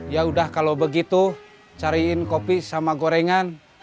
yaudah kalau begitu cariin kopi sama gorengan